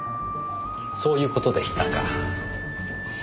そういう事でしたか。